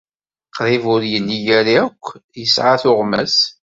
Qrib ur yelli ara akk yesɛa tuɣmas.